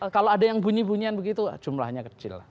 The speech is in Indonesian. kalau ada yang bunyi bunyian begitu jumlahnya kecil